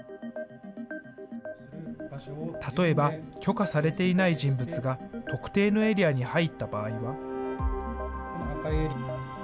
例えば許可されていない人物が特定のエリアに入った場合は。